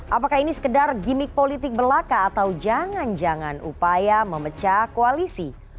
apakah ini sekedar gimmick politik belaka atau jangan jangan upaya memecah koalisi